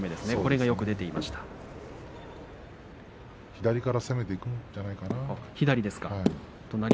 左から攻めていくんじゃないかな。